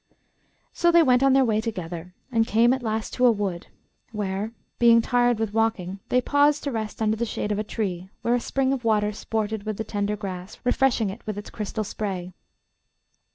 So they went on their way together, and came at last to a wood, where, being tired with walking, they paused to rest under the shade of a tree, where a spring of water sported with the tender grass, refreshing it with its crystal spray.